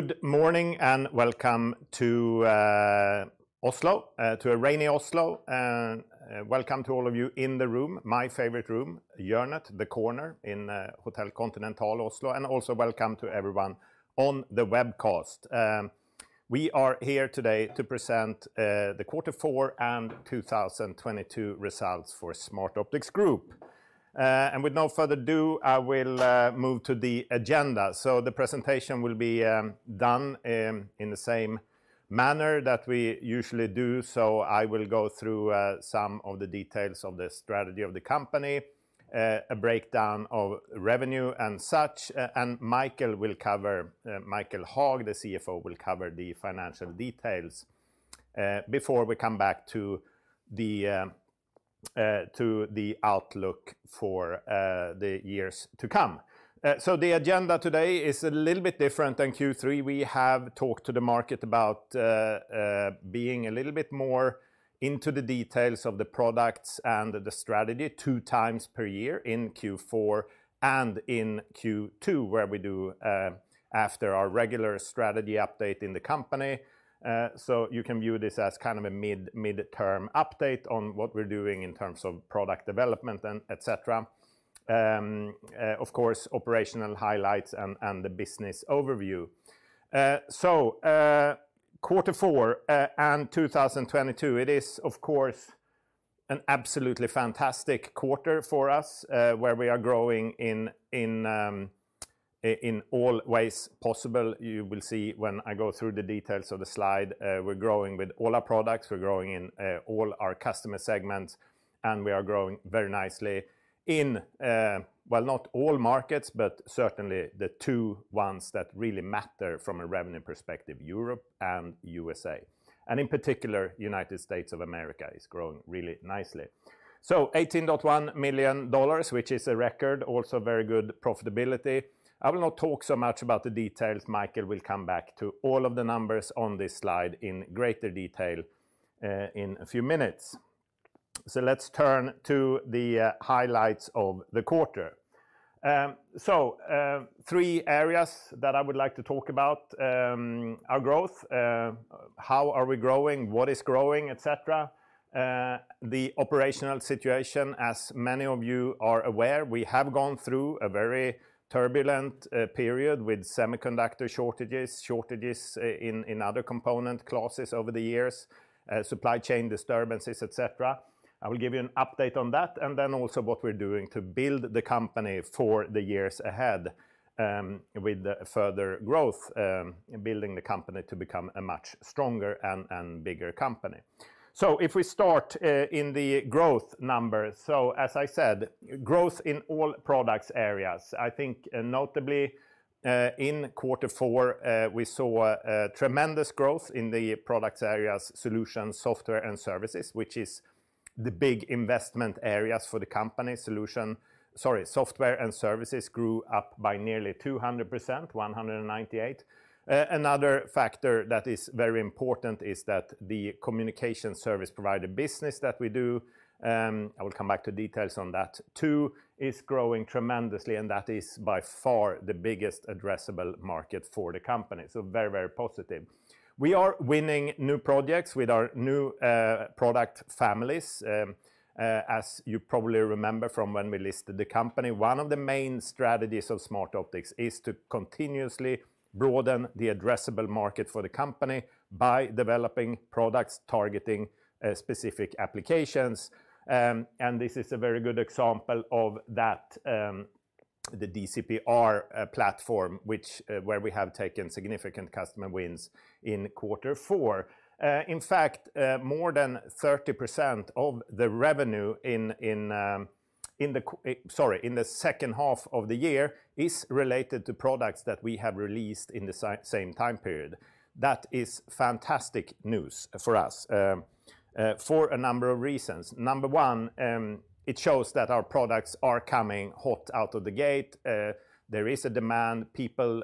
Good morning and welcome to Oslo, to a rainy Oslo. Welcome to all of you in the room, my favorite room, Hjørnet, the corner in Hotel Continental Oslo, and also welcome to everyone on the webcast. We are here today to present the quarter four and 2022 results for Smartoptics Group. With no further ado, I will move to the agenda. The presentation will be done in the same manner that we usually do. I will go through some of the details of the strategy of the company, a breakdown of revenue and such. Michael will cover, Michael Haag, the CFO, will cover the financial details before we come back to the outlook for the years to come. The agenda today is a little bit different than Q3. We have talked to the market about being a little bit more into the details of the products and the strategy two times per year in Q4 and in Q2, where we do after our regular strategy update in the company. You can view this as kind of a mid-term update on what we're doing in terms of product development and et cetera. Of course, operational highlights and the business overview. Quarter four, and 2022, it is of course, an absolutely fantastic quarter for us, where we are growing in all ways possible. You will see when I go through the details of the slide. We're growing with all our products. We're growing in all our customer segments, and we are growing very nicely in, well, not all markets, but certainly the two ones that really matter from a revenue perspective, Europe and USA. In particular, United States of America is growing really nicely. $18.1 million, which is a record, also very good profitability. I will not talk so much about the details. Michael will come back to all of the numbers on this slide in greater detail in a few minutes. Let's turn to the highlights of the quarter. Three areas that I would like to talk about, our growth, how are we growing, what is growing, et cetera. The operational situation, as many of you are aware, we have gone through a very turbulent period with semiconductor shortages in other component classes over the years, supply chain disturbances, et cetera. I will give you an update on that also what we're doing to build the company for the years ahead, with the further growth, building the company to become a much stronger and bigger company. If we start in the growth numbers. As I said, growth in all products areas. I think notably, in quarter four, we saw a tremendous growth in the products areas solution, software, and services, which is the big investment areas for the company solution. Sorry, software and services grew up by nearly 200%, 198%. Another factor that is very important is that the communication service provider business that we do, I will come back to details on that too, is growing tremendously, and that is by far the biggest addressable market for the company. Very, very positive. We are winning new projects with our new product families. As you probably remember from when we listed the company, one of the main strategies of Smartoptics is to continuously broaden the addressable market for the company by developing products targeting specific applications. This is a very good example of that, the DCP-R platform, which, where we have taken significant customer wins in quarter four. In fact, more than 30% of the revenue in the second half of the year is related to products that we have released in the same time period. That is fantastic news for us for a number of reasons. Number one, it shows that our products are coming hot out of the gate. There is a demand. People,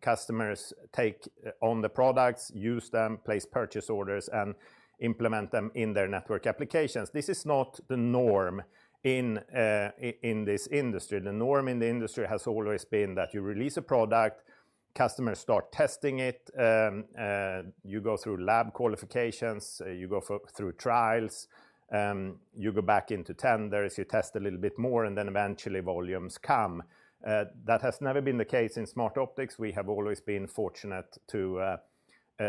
customers take on the products, use them, place purchase orders, and implement them in their network applications. This is not the norm in this industry. The norm in the industry has always been that you release a product, customers start testing it, you go through lab qualifications, you go through trials, you go back into tenders, you test a little bit more, and then eventually volumes come. That has never been the case in Smartoptics. We have always been fortunate to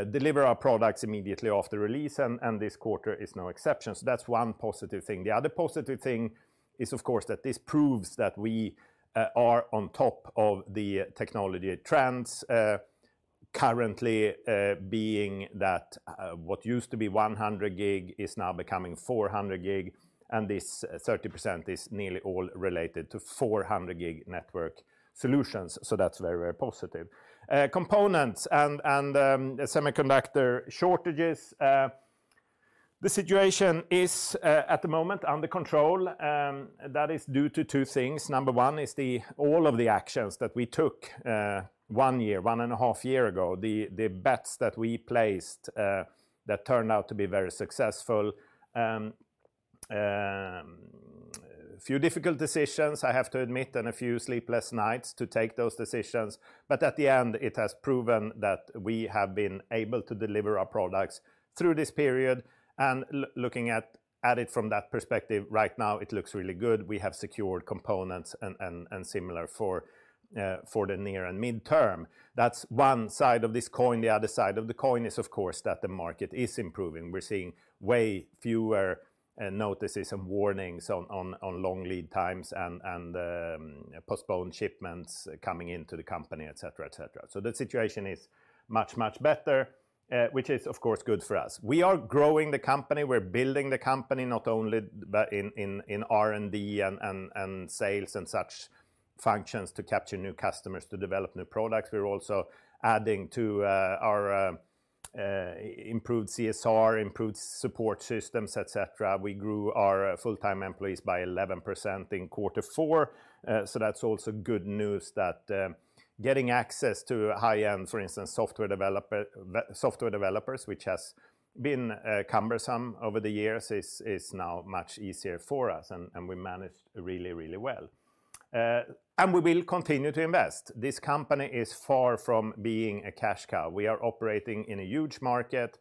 deliver our products immediately after release and this quarter is no exception. That's one positive thing. The other positive thing is of course that this proves that we are on top of the technology trends, currently, being that what used to be 100 gig is now becoming 400 gig, and this 30% is nearly all related to 400 gig network solutions. That's very, very positive. Components and semiconductor shortages. The situation is at the moment under control, that is due to two things. Number one is the all of the actions that we took, one year, one and a half year ago. The bets that we placed that turned out to be very successful. A few difficult decisions, I have to admit, and a few sleepless nights to take those decisions. At the end, it has proven that we have been able to deliver our products through this period. Looking at it from that perspective right now, it looks really good. We have secured components and similar for the near and midterm. That's one side of this coin. The other side of the coin is, of course, that the market is improving. We're seeing way fewer notices and warnings on long lead times and postponed shipments coming into the company, et cetera, et cetera. The situation is much, much better, which is of course good for us. We are growing the company. We're building the company not only in R&D and sales and such functions to capture new customers to develop new products. We're also adding to our improved CSR, improved support systems, et cetera. We grew our full-time employees by 11% in Q4. That's also good news that getting access to high-end, for instance, software developers, which has been cumbersome over the years is now much easier for us. We managed really well. We will continue to invest. This company is far from being a cash cow. We are operating in a huge market,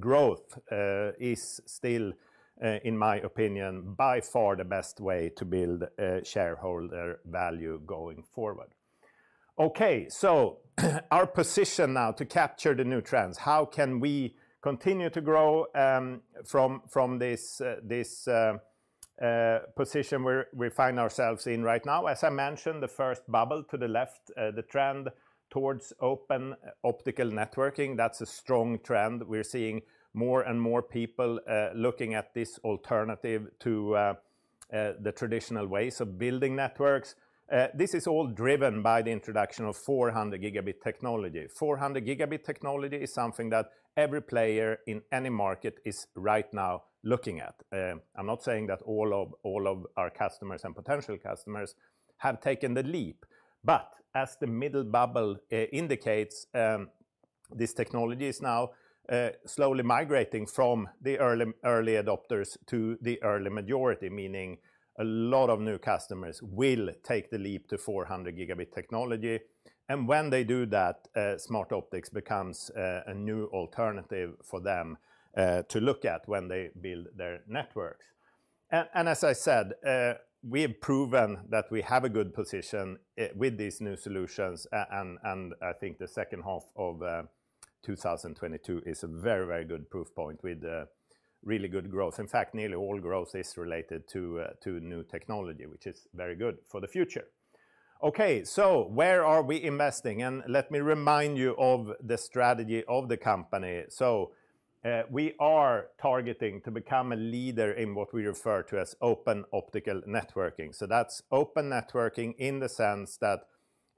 growth is still, in my opinion, by far the best way to build shareholder value going forward. Okay. Our position now to capture the new trends, how can we continue to grow from this position where we find ourselves in right now? As I mentioned, the first bubble to the left, the trend towards open optical networking, that's a strong trend. We're seeing more and more people looking at this alternative to the traditional ways of building networks. This is all driven by the introduction of 400 gigabit technology. 400 gigabit technology is something that every player in any market is right now looking at. I'm not saying that all of our customers and potential customers have taken the leap. As the middle bubble indicates, this technology is now slowly migrating from the early adopters to the early majority, meaning a lot of new customers will take the leap to 400 gigabit technology. When they do that, Smartoptics becomes a new alternative for them to look at when they build their networks. As I said, we have proven that we have a good position with these new solutions. I think the second half of 2022 is a very, very good proof point with really good growth. In fact, nearly all growth is related to new technology, which is very good for the future. Okay. Where are we investing? Let me remind you of the strategy of the company. We are targeting to become a leader in what we refer to as open optical networking. That's open networking in the sense that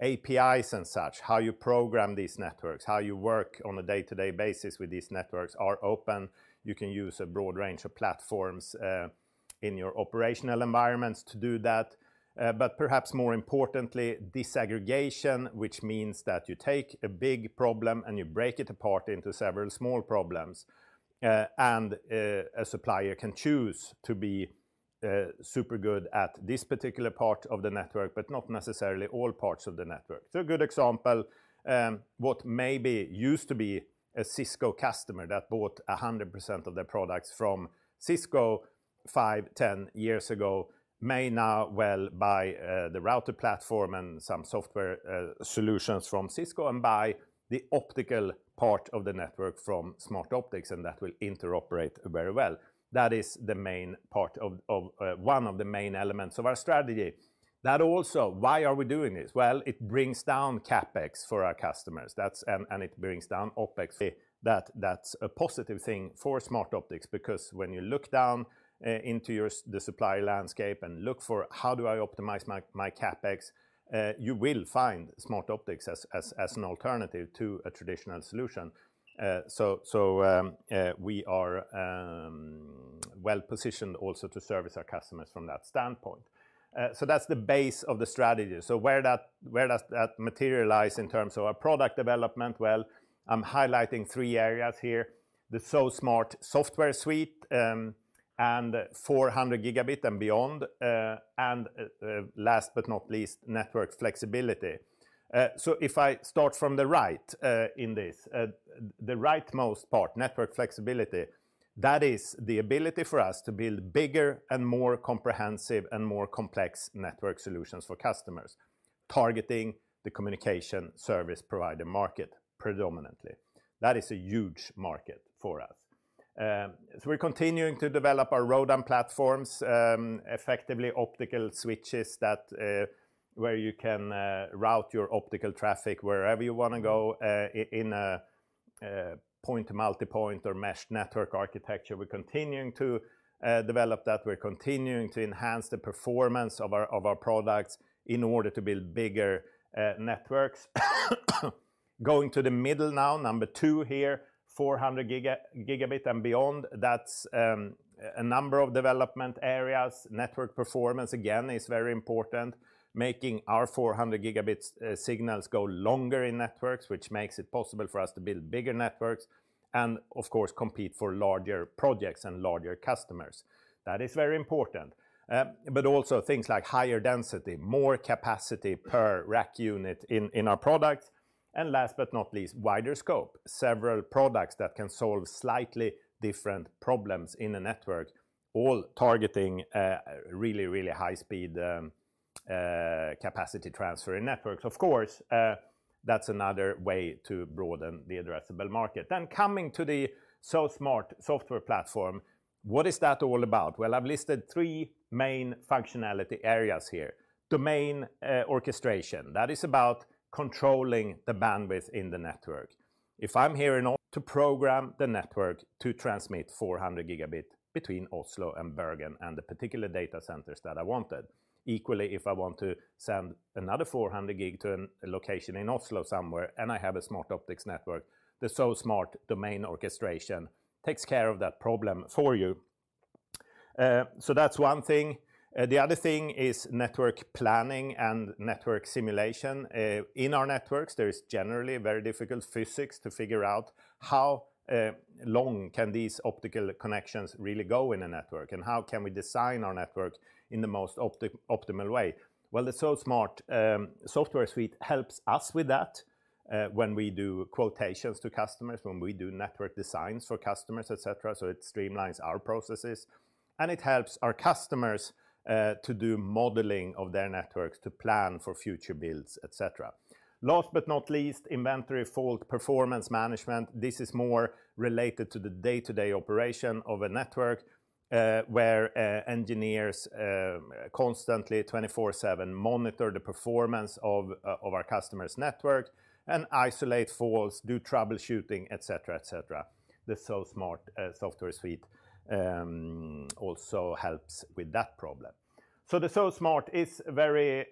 APIs and such, how you program these networks, how you work on a day-to-day basis with these networks are open. You can use a broad range of platforms in your operational environments to do that. Perhaps more importantly, disaggregation, which means that you take a big problem, and you break it apart into several small problems. A supplier can choose to be super good at this particular part of the network, but not necessarily all parts of the network. A good example, what maybe used to be a Cisco customer that bought 100% of their products from Cisco five, 10 years ago may now well buy the router platform and some software solutions from Cisco and buy the optical part of the network from Smartoptics, and that will interoperate very well. That is the main part of one of the main elements of our strategy. Why are we doing this? It brings down CapEx for our customers. And it brings down OpEx. That's a positive thing for Smartoptics because when you look down into the supply landscape and look for how do I optimize my CapEx? You will find Smartoptics as an alternative to a traditional solution. We are well-positioned also to service our customers from that standpoint. That's the base of the strategy. Where does that materialize in terms of our product development? Well, I'm highlighting three areas here. The SoSmart software suite, and 400 gigabit and beyond, and last but not least, network flexibility. If I start from the right, in this, the rightmost part, network flexibility, that is the ability for us to build bigger and more comprehensive and more complex network solutions for customers, targeting the Communication Service Provider market predominantly. That is a huge market for us. We're continuing to develop our ROADM platforms, effectively optical switches that where you can route your optical traffic wherever you wanna go in a point to multipoint or meshed network architecture. We're continuing to develop that. We're continuing to enhance the performance of our products in order to build bigger networks. Going to the middle now, number two here, 400 gigabit and beyond. That's a number of development areas. Network performance, again, is very important. Making our 400 gigabits signals go longer in networks, which makes it possible for us to build bigger networks and of course, compete for larger projects and larger customers. That is very important. But also things like higher density, more capacity per rack unit in our products. Last but not least, wider scope. Several products that can solve slightly different problems in a network, all targeting really, really high speed capacity transfer in networks. That's another way to broaden the addressable market. Coming to the SoSmart software platform. What is that all about? I've listed three main functionality areas here. Domain orchestration. That is about controlling the bandwidth in the network. To program the network to transmit 400 gigabit between Oslo and Bergen and the particular data centers that I wanted. If I want to send another 400 gig to a location in Oslo somewhere, and I have a Smartoptics network, the SoSmart domain orchestration takes care of that problem for you. That's one thing. The other thing is network planning and network simulation. In our networks, there is generally very difficult physics to figure out how long can these optical connections really go in a network, and how can we design our network in the most optimal way? The SoSmart software suite helps us with that when we do quotations to customers, when we do network designs for customers, et cetera. It streamlines our processes, and it helps our customers to do modeling of their networks to plan for future builds, et cetera. Last but not least, inventory, fault, performance management. This is more related to the day-to-day operation of a network, where engineers constantly 24/7 monitor the performance of our customer's network and isolate faults, do troubleshooting, et cetera, et cetera. The SoSmart software suite also helps with that problem. The SoSmart is very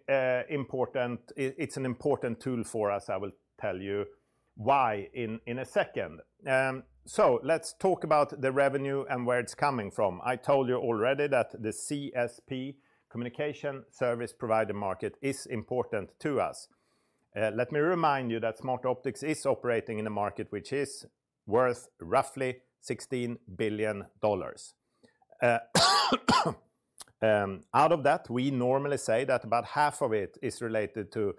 important. It's an important tool for us. I will tell you why in a second. Let's talk about the revenue and where it's coming from. I told you already that the CSP communication service provider market is important to us. Let me remind you that Smartoptics is operating in a market which is worth roughly $16 billion. Out of that, we normally say that about half of it is related to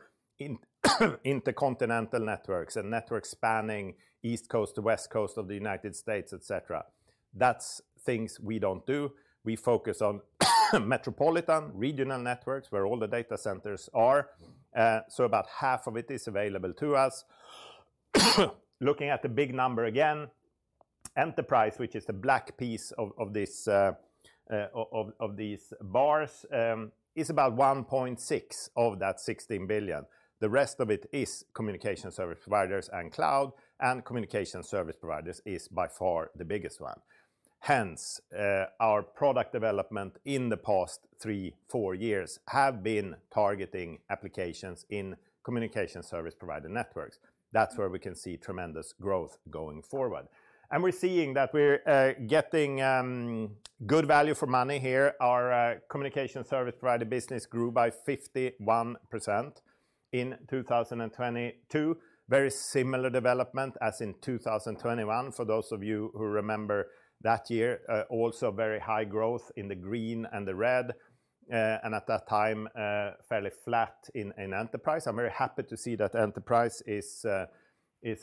intercontinental networks and networks spanning East Coast to West Coast of the United States, et cetera. That's things we don't do. We focus on metropolitan regional networks where all the data centers are. About half of it is available to us. Looking at the big number again, enterprise, which is the black piece of these bars, is about 1.6 of that $16 billion. The rest of it is communication service providers and cloud, and communication service providers is by far the biggest one. Hence, our product development in the past three, four years have been targeting applications in communication service provider networks. That's where we can see tremendous growth going forward. We're seeing that we're getting good value for money here. Our communication service provider business grew by 51% in 2022. Very similar development as in 2021. For those of you who remember that year, also very high growth in the green and the red. At that time, fairly flat in enterprise. I'm very happy to see that enterprise is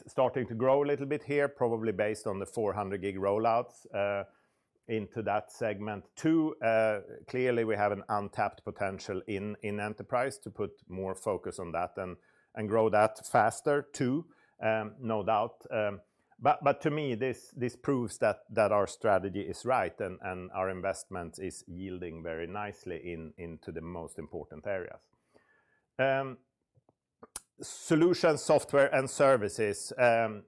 starting to grow a little bit here, probably based on the 400 gig rollouts into that segment too. Clearly, we have an untapped potential in enterprise to put more focus on that and grow that faster too, no doubt. To me, this proves that our strategy is right and our investment is yielding very nicely into the most important areas. Solutions, software and services, and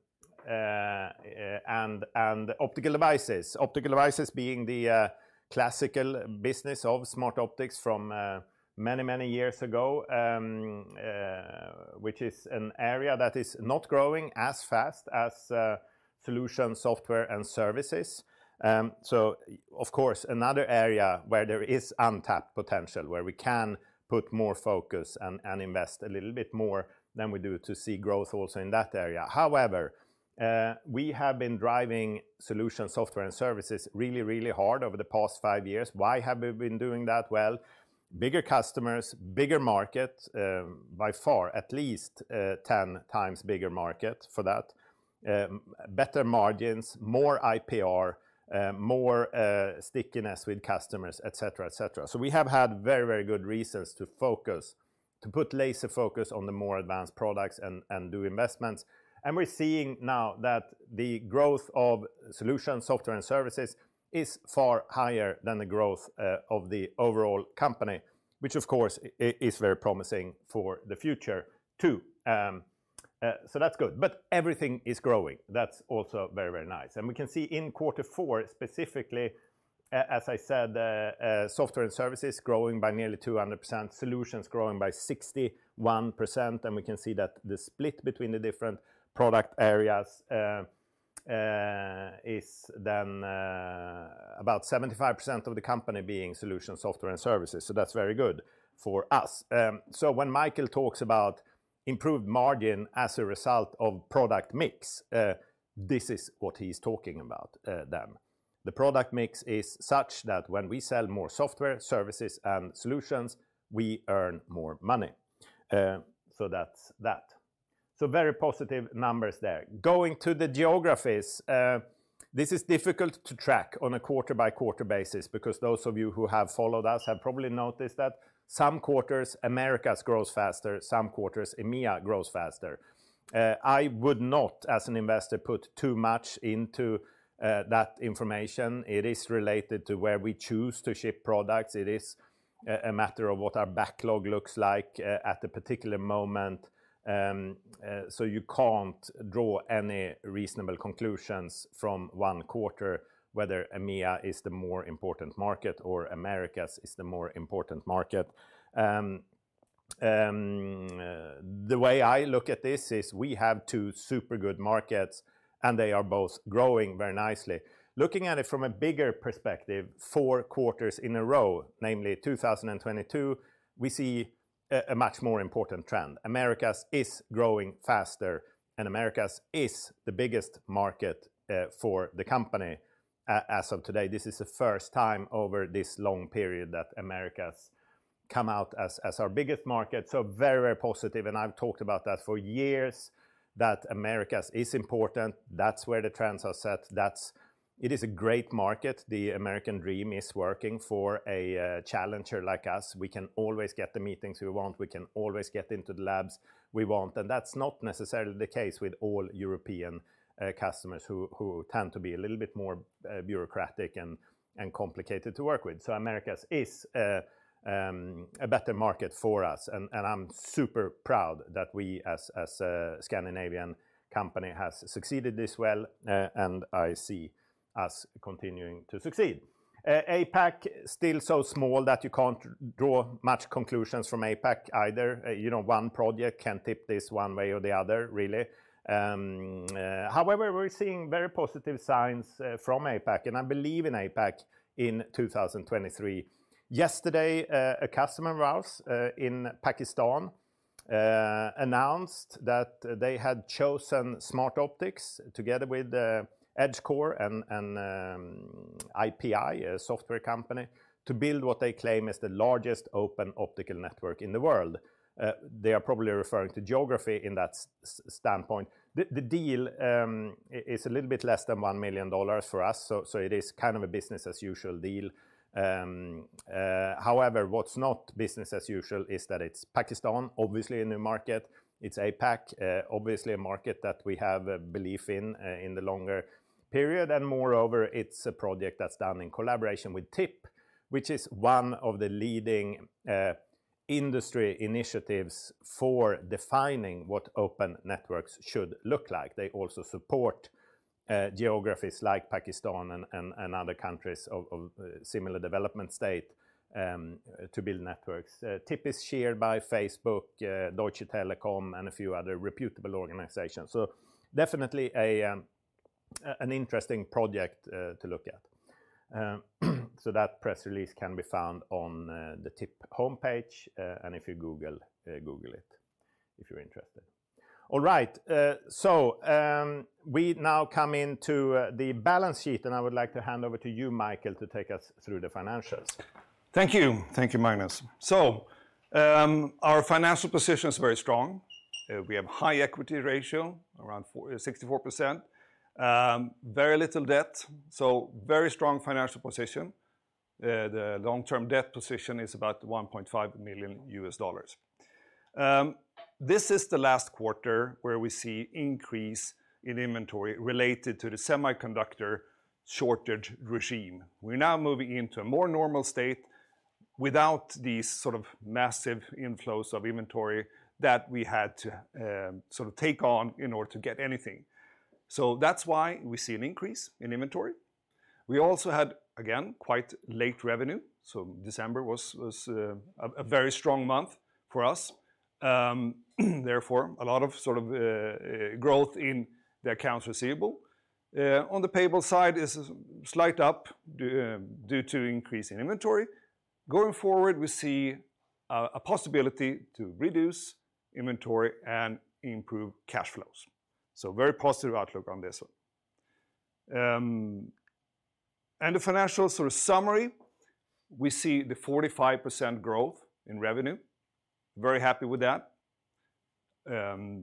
optical devices. Optical devices being the classical business of Smartoptics from many, many years ago, which is an area that is not growing as fast as solution, software and services. Of course, another area where there is untapped potential, where we can put more focus and invest a little bit more than we do to see growth also in that area. However, we have been driving solution, software and services really, really hard over the past five years. Why have we been doing that? Well, bigger customers, bigger market, by far at least, 10 times bigger market for that. Better margins, more IPR, more stickiness with customers, et cetera, et cetera. We have had very, very good reasons to put laser focus on the more advanced products and do investments. We're seeing now that the growth of solution, software and services is far higher than the growth of the overall company, which of course is very promising for the future too. So that's good. Everything is growing. That's also very, very nice. We can see in quarter four specifically As I said, software and services growing by nearly 200%, solutions growing by 61%, we can see that the split between the different product areas is then about 75% of the company being solutions, software, and services. That's very good for us. When Michael talks about improved margin as a result of product mix, this is what he's talking about then. The product mix is such that when we sell more software, services and solutions, we earn more money. That's that. Very positive numbers there. Going to the geographies, this is difficult to track on a quarter-by-quarter basis because those of you who have followed us have probably noticed that some quarters, Americas grows faster, some quarters, EMEA grows faster. I would not, as an investor, put too much into that information. It is related to where we choose to ship products. It is a matter of what our backlog looks like at the particular moment. You can't draw any reasonable conclusions from one quarter, whether EMEA is the more important market or Americas is the more important market. The way I look at this is we have two super good markets, and they are both growing very nicely. Looking at it from a bigger perspective, four quarters in a row, namely 2022, we see a much more important trend. Americas is growing faster. Americas is the biggest market for the company as of today. This is the first time over this long period that Americas come out as our biggest market. Very, very positive, and I've talked about that for years, that Americas is important. That's where the trends are set. It is a great market. The American dream is working for a challenger like us. We can always get the meetings we want. We can always get into the labs we want. That's not necessarily the case with all European customers who tend to be a little bit more bureaucratic and complicated to work with. Americas is a better market for us. I'm super proud that we as a Scandinavian company has succeeded this well, and I see us continuing to succeed. APAC still so small that you can't draw much conclusions from APAC either. You know, one project can tip this one way or the other, really. However, we're seeing very positive signs from APAC, and I believe in APAC in 2023. Yesterday, a customer of ours in Pakistan announced that they had chosen Smartoptics together with Edgecore and IPI, a software company, to build what they claim is the largest open optical network in the world. They are probably referring to geography in that standpoint. The deal is a little bit less than $1 million for us. It is kind of a business as usual deal. However, what's not business as usual is that it's Pakistan, obviously a new market. It's APAC, obviously a market that we have a belief in the longer period. Moreover, it's a project that's done in collaboration with TIP, which is one of the leading industry initiatives for defining what open networks should look like. They also support geographies like Pakistan and other countries of similar development state to build networks. TIP is shared by Facebook, Deutsche Telekom, and a few other reputable organizations. Definitely an interesting project to look at. That press release can be found on the TIP homepage, and if you Google it if you're interested. All right. We now come into the balance sheet, and I would like to hand over to you, Michael, to take us through the financials. Thank you. Thank you, Magnus. Our financial position is very strong. We have high equity ratio, around 64%. Very little debt, very strong financial position. The long-term debt position is about $1.5 million. This is the last quarter where we see increase in inventory related to the semiconductor shortage regime. We're now moving into a more normal state without these sort of massive inflows of inventory that we had to sort of take on in order to get anything. That's why we see an increase in inventory. We also had, again, quite late revenue. December was a very strong month for us. Therefore, a lot of sort of growth in the accounts receivable. On the payable side is slight up due to increase in inventory. Going forward, we see a possibility to reduce inventory and improve cash flows. Very positive outlook on this one. And the financial sort of summary, we see the 45% growth in revenue. Very happy with that,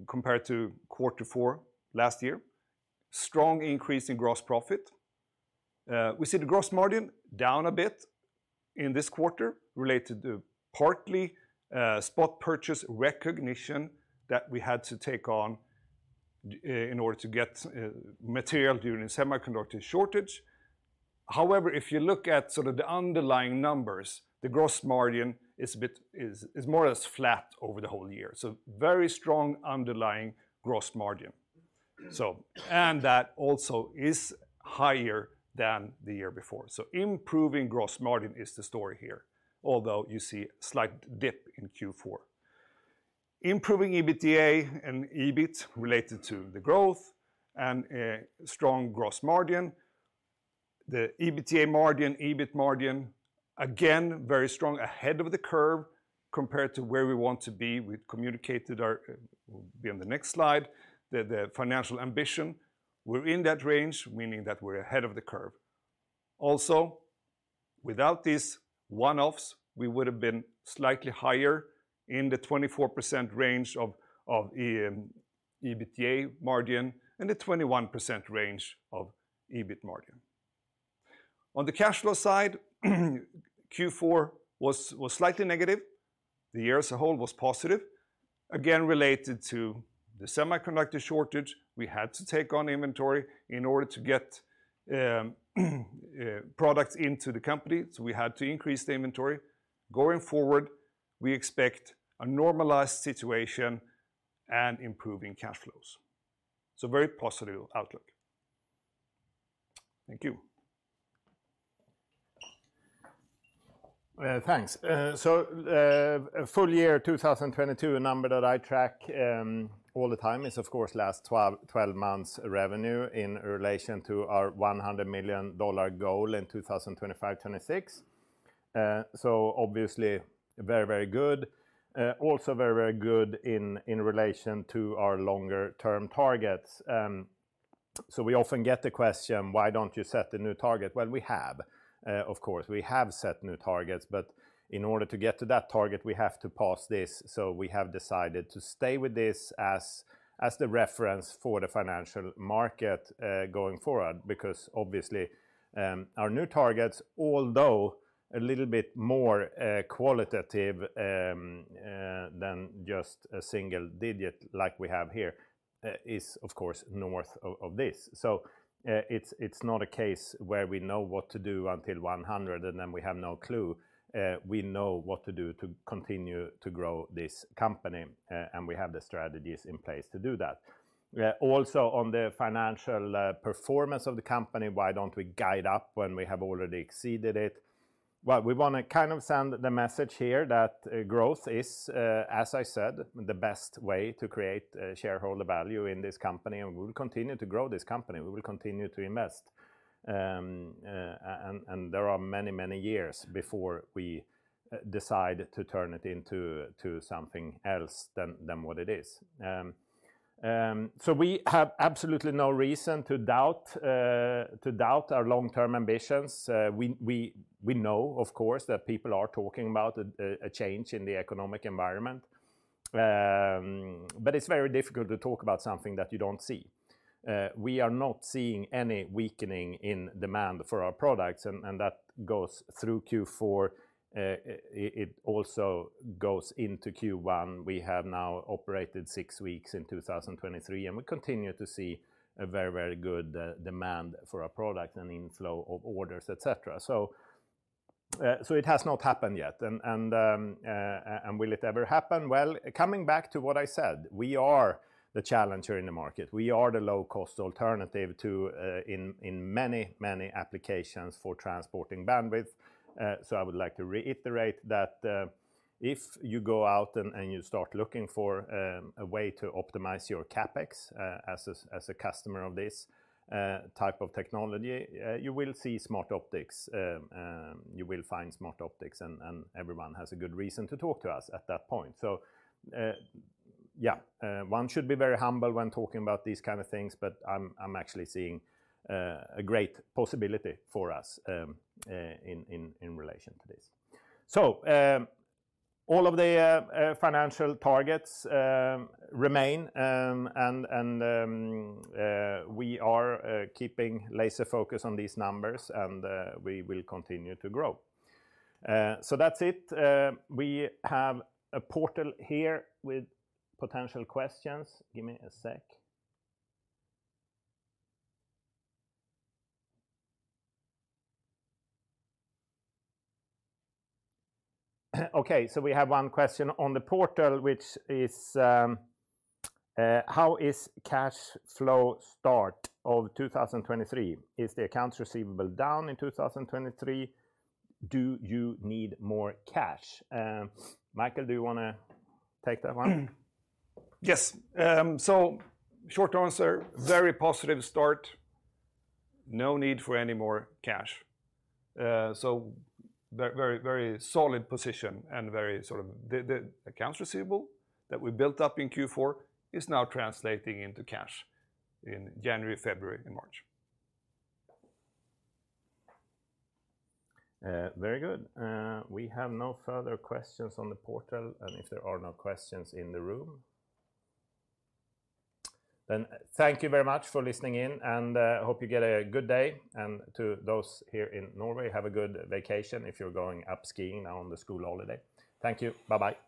compared to Q4 last year. Strong increase in gross profit. We see the gross margin down a bit in this quarter related to partly spot purchase recognition that we had to take on in order to get material during semiconductor shortage. However, if you look at sort of the underlying numbers, the gross margin is a bit is more or less flat over the whole year. Very strong underlying gross margin. And that also is higher than the year before. Improving gross margin is the story here, although you see a slight dip in Q4. Improving EBITDA and EBIT related to the growth and a strong gross margin. The EBITDA margin, EBIT margin, again, very strong, ahead of the curve compared to where we want to be. We communicated our, it will be on the next slide, the financial ambition. We're in that range, meaning that we're ahead of the curve. Without these one-offs, we would have been slightly higher in the 24% range of EBITDA margin and the 21% range of EBIT margin. On the cash flow side, Q4 was slightly negative. The year as a whole was positive, again, related to the semiconductor shortage. We had to take on inventory in order to get products into the company, so we had to increase the inventory. Going forward, we expect a normalized situation and improving cash flows. Very positive outlook. Thank you. Thanks. Full year 2022, a number that I track all the time is, of course, last twelve months revenue in relation to our $100 million goal in 2025, 2026. Obviously very, very good. Also very, very good in relation to our longer term targets. We often get the question, why don't you set the new target? Well, we have, of course, we have set new targets, but in order to get to that target, we have to pass this. We have decided to stay with this as the reference for the financial market going forward. Obviously, our new targets, although a little bit more qualitative than just a single digit like we have here, is of course north of this. It's not a case where we know what to do until 100 and then we have no clue. We know what to do to continue to grow this company, and we have the strategies in place to do that. Also on the financial performance of the company, why don't we guide up when we have already exceeded it? We wanna kind of send the message here that growth is, as I said, the best way to create shareholder value in this company, and we will continue to grow this company. We will continue to invest. And there are many years before we decide to turn it into something else than what it is. We have absolutely no reason to doubt our long-term ambitions. We know, of course, that people are talking about a change in the economic environment. It's very difficult to talk about something that you don't see. We are not seeing any weakening in demand for our products, that goes through Q4. It also goes into Q1. We have now operated six weeks in 2023, and we continue to see a very, very good demand for our product and inflow of orders, et cetera. It has not happened yet. Will it ever happen? Well, coming back to what I said, we are the challenger in the market. We are the low-cost alternative to in many, many applications for transporting bandwidth. I would like to reiterate that, if you go out and you start looking for a way to optimize your CapEx, as a, as a customer of this, type of technology, you will see Smartoptics. You will find Smartoptics, and everyone has a good reason to talk to us at that point. Yeah, one should be very humble when talking about these kind of things, but I'm actually seeing a great possibility for us in, in relation to this. All of the financial targets remain. And, and, we are keeping laser focus on these numbers, and we will continue to grow. That's it. We have a portal here with potential questions. Give me a sec. We have one question on the portal, which is, how is cash flow start of 2023? Is the accounts receivable down in 2023? Do you need more cash? Michael, do you wanna take that one? Yes. Short answer, very positive start. No need for any more cash. very solid position and very sort of the accounts receivable that we built up in Q4 is now translating into cash in January, February, and March. Very good. We have no further questions on the portal. If there are no questions in the room, thank you very much for listening in, and hope you get a good day. To those here in Norway, have a good vacation if you're going up skiing now on the school holiday. Thank you. Bye-bye. Thank you.